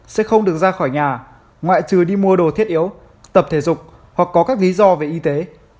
sẽ không được ra khỏi nhà ngoại trừ đi mua đồ thiết yếu tập thể dục hoặc có các lý do về y tế